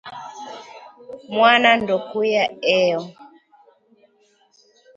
Mwana ndokuya eo